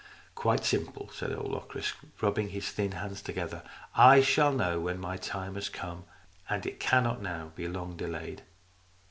" Quite simple," said old Locris, rubbing his thin hands together. " I shall know when my time has come, and it cannot now be long delayed.